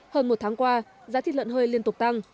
hơn một tháng qua giá thịt lợn hơi liên tục tăng